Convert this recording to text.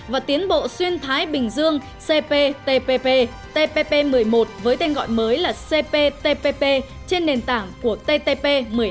và tiến bộ xuyên thái bình dương cptpp tpp một mươi một với tên gọi mới là cptpp trên nền tảng của ttp một mươi hai